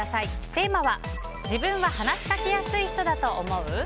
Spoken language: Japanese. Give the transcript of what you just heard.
テーマは、自分は話しかけやすい人だと思う？